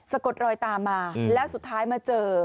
กดรอยตามมาแล้วสุดท้ายมาเจอ